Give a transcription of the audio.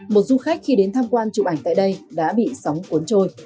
một du khách khi đến tham quan chụp ảnh tại đây đã bị sóng cuốn trôi